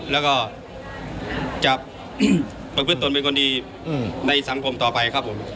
แล้วก็จะประพฤติตนเป็นคนดีในสังคมต่อไปครับผม